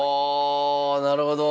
ああなるほど。